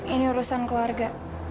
ini urusan keluarga